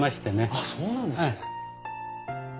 あっそうなんですね。